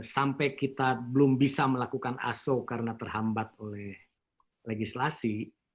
sampai kita belum bisa melakukan aso karena terhambat oleh legislasi